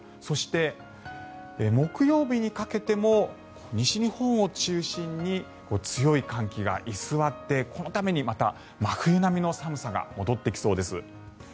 そして、木曜日にかけても西日本を中心に強い寒気が居座ってこのためにまた真冬並みの寒さが戻ってきそうです。